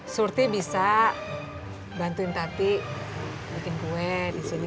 surti bisa bantuin tati bikin kue disini